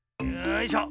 よいしょ。